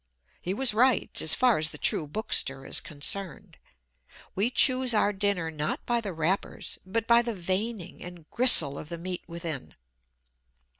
He was right, as far as the true bookster is concerned. We choose our dinner not by the wrappers, but by the veining and gristle of the meat within.